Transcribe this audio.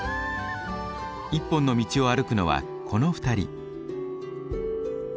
一本の道を歩くのはこの２人。